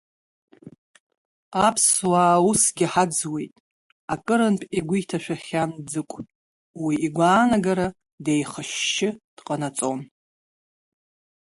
Аԥсуаа усгьы ҳаӡуеит, акырынтә игәы иҭашәахьан Ӡыкә, уи игәаанагара деихашьшьы дҟанаҵон.